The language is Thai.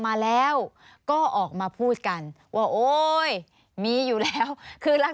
สนุนโดยน้ำดื่มสิง